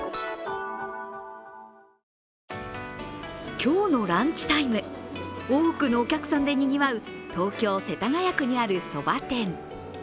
今日のランチタイム、多くのお客さんでにぎわう東京・世田谷区にある、そば店。